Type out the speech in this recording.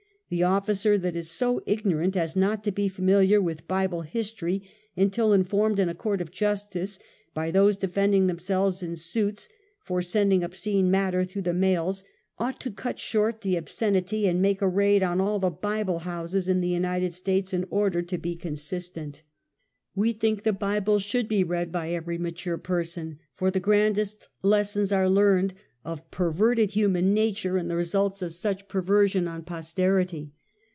The officer that is so ignorant as not to be familiar with Bible history, until in formed in a court of justice by those defending them selves in suits for sending obscene matter through the mails, ought to cut out the obscenity and make a raid on all the Bible houses in the United States, in order to be consistent. 'We think the Bible should be read by every mature person, for the grandest lessons are learned of per verted human nature^ and the results of such per version on posterity.